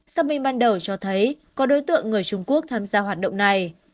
xác minh ban đầu cho thấy có đối tượng người trung quốc tham gia hoạt động này